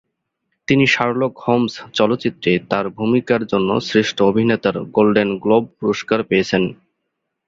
তিনি Sherlock Holmes চলচ্চিত্রে তার ভূমিকার জন্য শ্রেষ্ঠ অভিনেতার গোল্ডেন গ্লোব পুরস্কার পেয়েছেন।